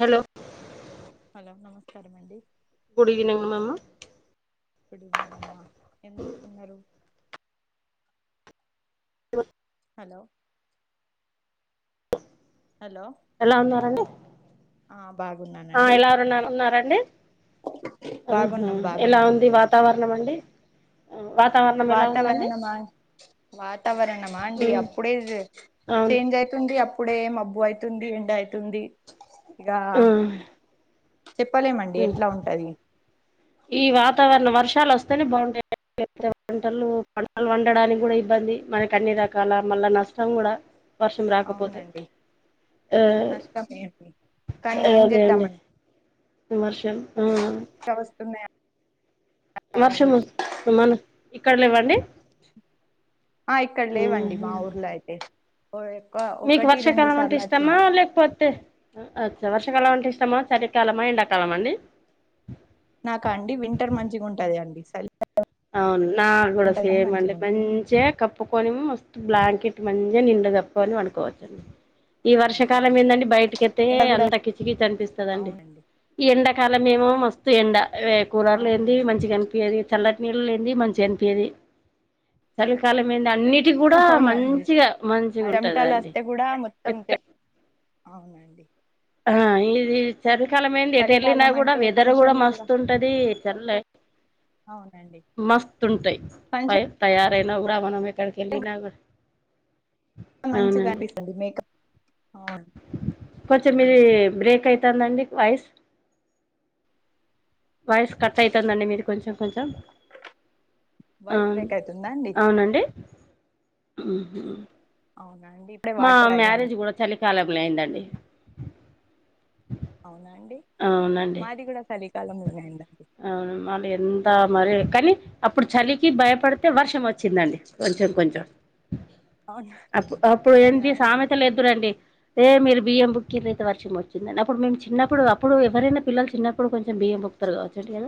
Hello hello నమస్కారం అండి. Good evening మెము. గుడ్ ఈవెనింగ్ అమ్మా. ఎం చేస్తున్నరు? ఇ హలో హలో ఎలా ఉన్నారండి ఆ బాగున్నాను ఆ ఎలారున్న ఉన్నారండి ఆహా బాగున్నాం ఎలా ఉంది బాగున్నామండి వాత్ వాతావరణం అండి ఆ వాతావరణం ఎలా ఉందండి వాతావరణమా వాతావరణమాండి ఉమ్ అప్పుడే అవును చేంజ్‌యి అయితుంది అప్పుడే మబ్బు అయితుంది ఎండ అయితుంది ఇగ ఆ ఉమ్ చెప్పలే మండి ఎట్లా ఉంటాది ఈ వాతావరణం వర్షాలు వస్తేనే బావుంటాయి. అండి లేకపోతే పంటలు పంటలు వండడానికి గూడ ఇబ్బంది మనకాన్నీ రకాల మళ్ల నష్టం గూడ వర్షం రాకపోతే అవునండి ఏ నష్టమేండి కానీ ఏ ఏం అదే అండి వర్షం ఆ ఇమ్ టావస్తున్నాయ వర్షం మోస్త మన ఇక్కడ లేవండి ఆ ఇక్కడ లేవండి మా ఆహా ఊర్లో అయితే ఒ ఎక్వ ఒకటి రెండు సార్లు అచ్చింది లేక్ పోతే ఆ అచ్చ వర్షాకాలం మంటే ఇష్టమా చలికాలమా ఎండాకాలం అండి నాక అండి వింటర్ మంచిగుంటంది అండి సలి అవును నాగూడ సేమ్ అండి మంచిగా కప్ కప్పుకొని మస్త బ్లాంకెట్ మంచి గా నిండుగాప్పుకొని వన్డుకోవచ్చండి ఈ వర్షకాలం ఏందండి బయట కేత్తే ఎండ కూడా అంత కిచ్కిచ్ అనిపిస్తుందండి అవునండి ఈ ఎండాకాలం ఏమో మస్తు ఎండ కూలర్ లేంది అవునండి మంచిగా గనిపియాది చల్లటి నిల్లు లేంది మంచిగానిపియాది చలికాలం ఏది అన్నింట్ టి గూడ అవునండి మంచిగా చెమటలు మంచిగుంటదండి వస్తే కూడా మొత్తం ఎక్క చె- అవునండి ఆ ఇది చలికాలం ఏంది ఎట్టేలినా చలికాలం గూడ అంటే వెదర్ గూడ ఫంక్షన్లు కూడా మస్తు ఉంటాది చల్లే అవునండి మస్తు ఉంటాయి పై ఫంక్షన్ తయారైన గూడ మనం ఎక్కడికేళ్ళినా గూడ మంచిగానిపిస్తుంది మేకప్ అవును కొంచెం మీది బ్రేక్ అయితదండి వాయిస్ వాయిస్ కట్ అయితదండి మీది కొంచం కొంచం వాయిస్ అవును బ్రేక్ అవుతుందా అండి అవునండి ఉహూ అవునండి ఇప్ మా మ్యారేజ్ గూడ చలికాలయిందండి అవునా అండి మాది గూడ సలికాలంలోనే అయిందండి అవున మాలి ఎంత మరీ కాని అప్పుడు చలికి భయపడుతే వర్షం వచ్చిందండి కొంచం కొంచం అవునా అప్ అప్పుడు అవునా ఏంటి అండి సామెతలు ఎదురండి ఏ మీరు బియ్యం బుక్కి రాయితే వర్షం వచ్చిందని అప్పుడు మేము చిన్నప్పుడు అప్పుడు ఎవరైనా, పిల్లలు చిన్నప్పుడు కొంచం బియ్యం బుక్కుతారు గావోచ్చు. రెంట్ ఇయన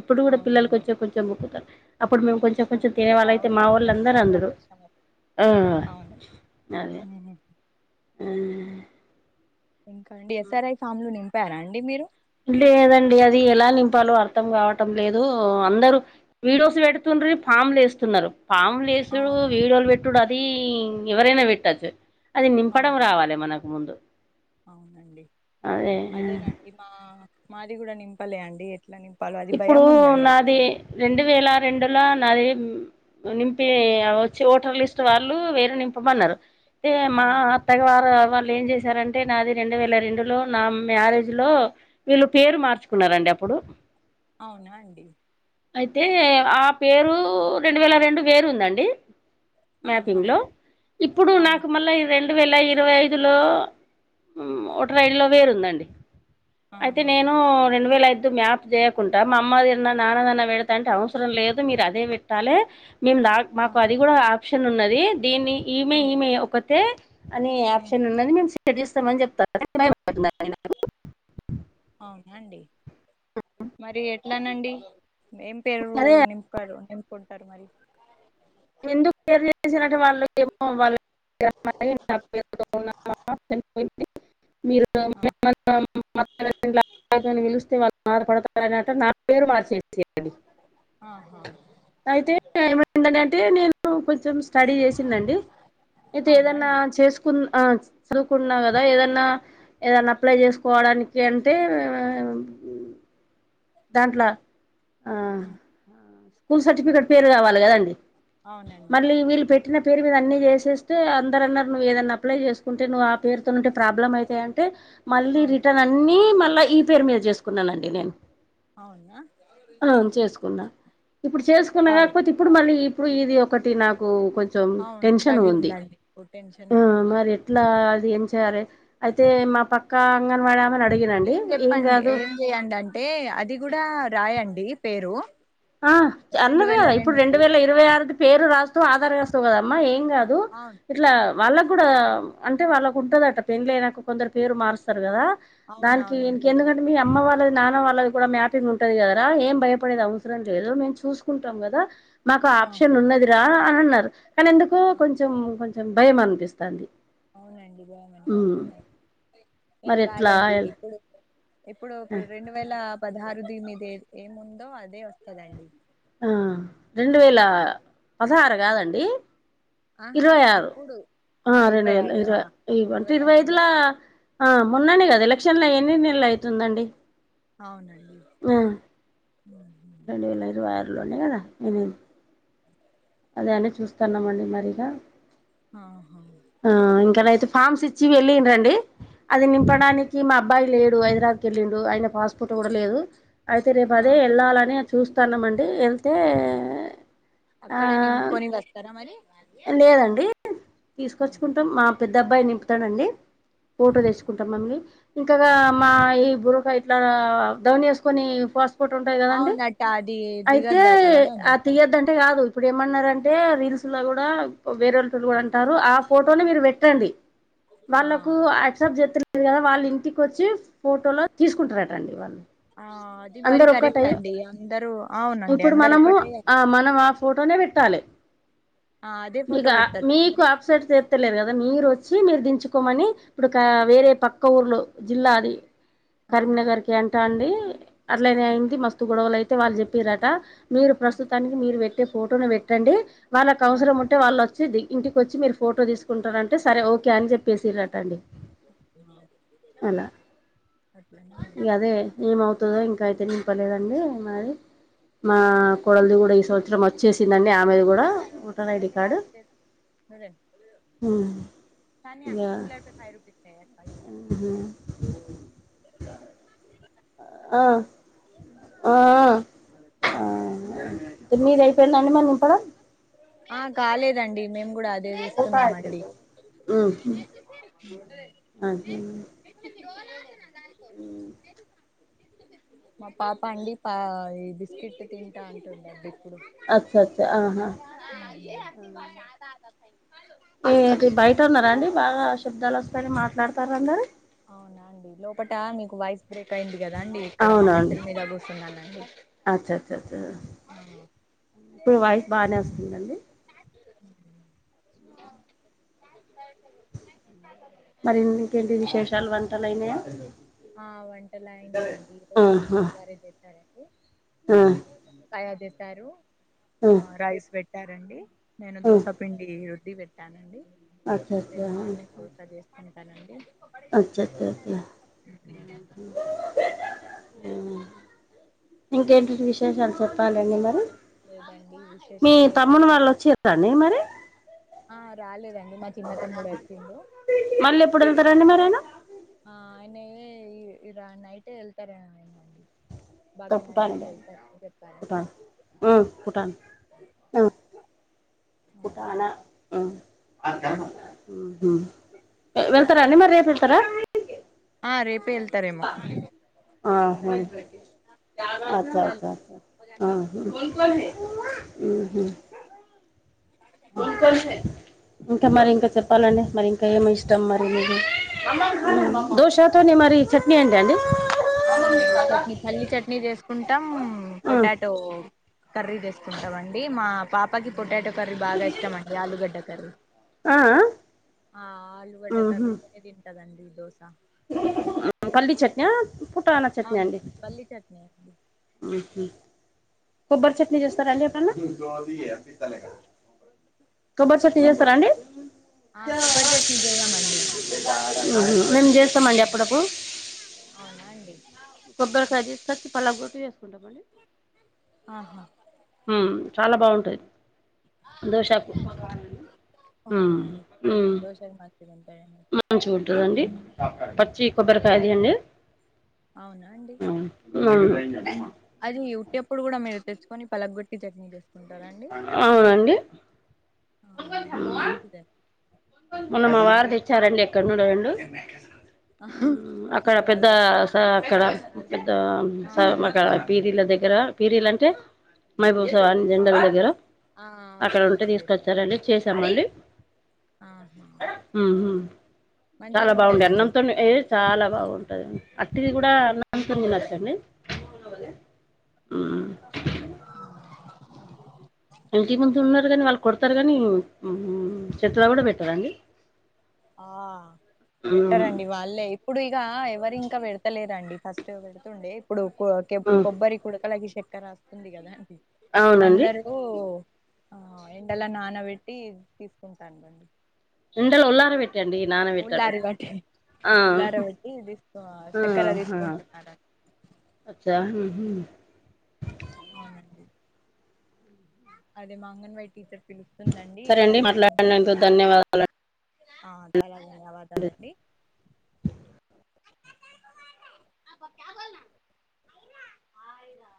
ఇప్పుడు గూడ పిల్లలు అవునండి కొంచెం కొంచెం బుక్కుతరు అప్పుడు మేము కొంచెం కొంచం కొంచం బుక్కుతే తినే వాళ్లయితే అవునండి మావోళ్లందరు ఖచ్చితంగా అందురు వర్షం వస్తుంది. ఆ అవును అదే ఉహు. అవును ఇంకా అండి ఎస్ఆర్ఐ ఫామ్లు నింపారా అండి మీరు లేదండి అది ఎలా నింపాలో అర్థం కావటం లేదు అందరూ వీడియోస్ పెడుతుండ్రి ఫామ్లు ఏస్తున్నారు పామ్లేస్ సుడు అవునండి వీడియోలు పెట్టుడు అది ఎవరైనా పెట్టచ్చు అది నింపడం అవును రావాలె మనకు ముందు అవునండి అదే అదేనండి మా మాది గూడ నింపలే అండి ఎట్ ఎట్ల నింపాలో అది ఇప్పుడు భయం ఉందండి నాది రెండు వేల రెండుల నాది నింపి వచ్చి ఓటర్ లిస్ట్ వాళ్ళు వేరే నింపమన్నరు ఇగ మా అవునా త్తగ వారు వాళ్ళు ఏం చేశారంటే నాది రెండు వేల రెండు లో నా మ్యారేజ్ లో వీళ్ళు పేరు మార్చుకున్నరండి అప్పుడు అవునా అండి అయితే ఆ పేరు రెండు వేల రెండు వేరు ఉందండి ఆహా మ్యాపింగ్ లో ఇప్పుడు నాకు అవును మళ్ళా వెన్ డు వేల ఇరవై ఐదు లో ఓటర్ ఐ డి లో వేరుందండి అయితే ఆహా నేను రెండు వేల ఐద్ది మ్యాప్ జేయక్ కుంటా మా అమ్మదిన్న నాన్నదన్న పెడతా అంటే అవసరం లేదు మీరదే పెట్టాలే మేము దా ఆ, మాకు అది గూడ ఆప్షన్ ఉన్నది దీన్ని ఈమే ఆ. ఈమే ఒక్కతే అనే ఉమ్ ఆప్షన్ ఉన్నది మేము సెట్ చేస్తమని చెప్తా [unintelligible] అవునా అండి మరి ఎట్లనండి ఏం పేరు అదే నింపారు నింపుంకుంటరు మరి ఎందుకు షేర్ చేసిరంటే వాళ్ళు ఏమో వాళ్ళు [unintelligible] [unintelligible] మా అత్త గారింట్ల ఆహా పిలిస్తే వాళ్ళు బాధపడతరనట నా పేరు మార్చెసిర్రు ఆహా అయితే ఏమన్నడంటే నేను కొంచెం స్టడీ చేసిన్నండి అయితే అవునా ఏదన్న అండి చేస్ కున్ ఆ సదువుకున్న గదా ఏదన్నా ఏదన్న అప్లై చేసుకోవడానికి అంటే దాంట్ల ఆ ఉమ్, స్కూల్ సర్టిఫికేట్ పేరు గావాలి కదండి అవునండి మళ్ళీ వీళ్ళు పెట్ పేట్టిన పేరు మీద అన్ని చేసేస్తే అందరన్నరు నువ్వు ఏదైన్నా అప్లై జేసుకుంటే నువ్వు ఆ పేరుతోనే ఉంటే ప్రాబ్లం అయితదంటె మళ్ళీ అవును రిటర్న్ అన్నీ మళ్ళ ఈ పేరు మీద జేసుకున్ననండి నేను అవునా అవును చేసుకున్నా ఇప్పుడు చేసుకున్నా బాగు గాకపోతే ఇప్పుడు మళ్ళీ ఇప్పుడు ఇది ఒకటి నాకు కొంచ్ కొంచెం అవును టెన్షన్ గుంది తగిలిందండి ఓ టెన్షన్ ఆ గానే ఉందండి మరి ఎట్ ట్లా అది ఏం చేయాలె అయితే మా పక్క అంగన్వడామెని అడిగినండి ఏం కాదు చేయండి అంటే అది గూడా రాయండి పేరు ఆ రెండు అన్నది వేల గదా ఇప్పుడు రెండు రెండుకి వేల ఇరవై ఆరుది పేరు రాస్తవ్ ఆధార్ రాస్తవు కదమ్మ ఏం గాదు అవును ఇట్లా వాళ్ళగ్గుడా అంటే వాళ్ళకు ఉంటదట పెళ్ళ అయినాక కొందరు పేరు మారుస్తారు గదా దానికి అవునవును ఇనికి ఉంటదండి ఎందుకంటే మీ అమ్మ వాళ్ళది నాన్న వాళ్ళది కూడా మ్యాపింగ్ ఉంటది గదరా ఏం భయపడేది అవస్ స్రం లేదు మేము చూసుకుంటాం గదా మాక ఆ ఆప్షన్ ఉన్నది రా అని అన్నరు కనెందుకో ఆ కొంచెం కొంచెం భయం అనిపిస్తంది అవునండి భయమనిపిస్తదన్డి ఏం మరి ఎట్లా గాదండి ఇప్పుడు ఇప్పుడు ఆ ప్ర రెండు వేల పదహారుది మీదేద్ ఏముందో అదే వస్తదండి ఆ రెండు వేల పదహారు గాదండి ఆహా ఇరవై ఆరు ఇప్పుడు ఆ రెండు వేల ఇరవై ఇవ అంటే ఇరవై ఐదులా ఆ మొన్ననే కదా ఎలక్షన్లయి ఎన్ని నెలలు అయితుందండి. అవునండి. లేలేరు వారులోనే కదా ఉన్నది. అది అని చుస్తన్నమండి మరి ఇగ ఆహా ఆ ఇంకనయితే ఫామ్స్ ఇచ్చి వెళ్ళిరండి. అది ఆ, నింపడానికి మా అబ్బాయి లేడు హైదరాబాద్కి వెళ్ళిండు. ఆయన పాస్పోర్ట్ కూడా లేదు అయితే రేపు అదే ఆహా ఎళ్ళాలని చూస్తన్నమండి ఎళ్తే అక్కడే నింపుకొని ఇంగ అత్తరా మరి. లేదండి ఆహా తీసుకొచ్చుకుంటం. మా పెద్ద అబ్బాయి నింపుతడండి. ఫోటో ఆహా తెచుకుంటాం అండి. ఇంకగా అవును మా ఈ బురకయి ఇట్ల దవుని ఎసుకొని పాస్పోర్ట్ ఉంటయి కదండి అవునట అది అయితే దిగద్దట కదా అ అండి తీయద్దంటే కాదు ఇప్పుడు ఏమన్నరంటే రీల్స్లా కూ డా వేరేల్తోటి కూడా అంటర్రు ఆ ఫోటోని మీరు పెట్టండి. ఆ వాళ్ళకు ఆక్సప్ట్ చేత్తలే కదా వాళ్ళు ఇంటికి వచ్చి ఫోటోలో తీసుకుంటరటండి వాళ్ళు. ఆ అది మరి అందరు కరెక్ట్ ఒక్కటై అండి. అందరు అవునండి ఇప్పుడు అందరు మనము ఒకటే ఆ మనం ఆ ఫోటోనే పెట్టాలె. ఆ అదే ఇగ ఫోటో పెట్టచ్చా మీకు మరి ఆ ప్సట్ చేత్తలేరు కదా మీరు వచ్చి మీరు దించుకోమని ఇప్పుడు ఒక వేరే పక్క ఊర్లో జిల్లాది ఆహా కరీంనగర్కేయి అంటా అండి అట్లనే అయింది మస్తు గొడవలు అయితే వాళ్ళు చెప్పిరట మీరు ఆ ప్రస్తుతానికి మీరు పెట్టే ఫోటోనే పెట్టండి, వాళ్ళకు ఆ. అవసరం అంటే వాళ్ళు వచ్చి ది ఇంటికి వచ్చి మీరు ఫోటో తీసుకుంటనంటే సరే ఓకే అని చెప్పేసిరటండి. అలా అట్లనా అండి. ఇగ అదే ఏమవు తదో ఇంకాయితే నింపలేదండి మరి. మా ఉమ్. కోడల్ది కూడా ఈ సంవత్సరం అ చ్చేసిందండి ఆమెది కూడా ఓటర్ ఐడి కార్డు. అదే కని అప్పులయితే ఫైవ్ రుపిసే [unintelligible] హ్ ఆ ఆ ఆ ఇంకా మీరు అయిపోయిందండి మరి నింపడం. ఆ కాలేదండి మేము కూడా అది ఉహు అదే దేవిస్తున్నమండి. మా పాప అండి పా ఈ బిస్కెట్ తింటా అంటుంది ఇప్పుడు. అచ్చచ్చా ఆహా. ఎంటిది బయట ఉన్నరా అండి బాగా శబ్దాలు వస్తన్నయి మాట్లాడతార్రు అందరు. అవునా అండి లోపట మీకు వాయిస్ బ్రేక్ అయింది కదా అండి ఇక్కడ మా మెట్ల మీద కూసూన్నానండి. అచ్చచ్చచా ఆ బానే వస్తుందండి మరి ఇంకేంటి విశేషాలు వంటలైనయా. ఆ వంటలు అయినయండి. ఈరోజు మా ఆహా అత్తమగారే చేసారండి. ఆ తయారు చేసారు. ఆ రైస్ పెట్టారండి నేను ఆ దోస పిండి రుద్ది పె టానండి అచ్చ అచ్చ రేపు మార్నింగ్ తోస చేసుకుంటనండి అచ్చ అచ్చ అచ్చ అంచేత ఇంకేంటీ విశేషాలు చెప్పాలండి మరి ఎటఅండి ఇంకేం మీ తమ్ముని వాళ్ళు వచ్చేదాండి మరి ఆ రాలేదండి మర్ మల్లెప్పుడు వెళ్తరండి మరేనా ఆ ఆయన ఇగ నైట్వెళ్తరండి పుటద పుట చెప్పారండి ఫుటన్ ఆ అవునండి పుటనా ఊహు వెళ్తారా అండి మరి రేప సర ఆ రేపే వెళ్తరేమో ఆహ అచ్చ సరిల్ అచ్చ అహూ ఊహు ఇంకా మరి అదేనండి ఇంకా చెప్పాలండి మరి ఇంకా ఏమి ఇష్టం మరి చెప్పాలండి మీకు దోశాతోనీ మరి చట్నీ ఏంటి అండి మరి అవునండి చట్నీ పల్లీ చట్నీ చేసుకుంటాం పొటాటో కర్రీ వేసుకుంటాం అండి మా పాపకి పొటాటో కర్రీ బాగా ఇష్టం అండి ఆలూగడ్డ కర్రీ ఆ ఆ ఆలూగడ్డ కర్రీ ఆ దింటదండి దోస పల్లీ చట్న పుటన అవునండి పల్లి చట్నీ అండి కొబ్బరి చట్నీ చేస్తరా అండి ఎప్పుడన్నా కొబ్బరి చట్నీ చేస్తరా అండి ఆ కొబ్బరి చట్నీ చేద్దామండి మేము చేస్తామండి అప్పుడప్పుడు అవున అండి కొబ్బరికాయ తీసుకొచ్చి పలగ్గొట్టి చేసుకుంటమ్ ఆహ ఉమ్ చాలా బాగుంటది దోశాకు ఉమ్ అవునండి ఉమ్ దోశలు మంచిగా ఉంటాయండి మంచిగుంటదండి పచ్చి కొబ్బరికాయ తీయండి అవున అండి అది ఉట్టప్డు కూడా మీరు తెచ్చుకొని పలగొట్టి చట్నీ చేస్తారు అవునండి ఆహ మంచిదండి మొన్న మా వారు తెచ్చారండి ఎక్కడ నుండో రెండు అక్కడ మీ పెద్ద వారు తెచ్చారా స అక్కడ పెద్ద స ఆహా మాకా అక్కడి నుంచి పీరీల దగ్గర తెచ్చారా పీరీల అంటే మైబూసా జండల దగ్గర ఆ అక్కడ అక్కడి ఉంటే నుంచి తీసుకొచ్చారండి చేసామండి ఆత్మ ఉమ్ ఉమ్ చాలా బాగుండే ఉంటదండి అన్నంతోనే చాలా అవునండి బాగుంటంది అట్టిది కూడా నా అంత ఉండచ్చ అండి [inaudible] [unintelligible] ఇంటి ముందు ఉన్నరు కానీ వాళ్ళు కొడతరు కానీ చేతులా కూడా పెట్టరా అండి. ఆ బెటర్ అండి వాళ్ళే ఇప్ ఇప్పుడు ఇగ ఎవరింక పెడతలేరండి, ఫస్ట్ పెడుతుండే. ఇప్పుడు కొ కెబ్ కొబ్బరి కుడకలకి చక్కెర అస్తుంది కదా అండి అవునండి అందరూ ఓ ఆ ఏండలా నానబెట్టి తీసుకుంటారండి. ఎండలో ఉల్లార పెట్టండి, నాన పెట్టరు. ఉల్లారి బట్టి ఉల్లార పెట్టి తీసుకో చక్కెర ఆహా తీసుకుంటున్నారం అచ్చా ఉహ్. అవునండి అదే మా అంగన్వాడీ టీచర్ పిలుస్తుందండి. అండి సరే మాట్లాడినందుకు [unintelligible] ధన్యవాదాలు ఆ చాలా ధన్యవాదాలండి. హయ్ రా.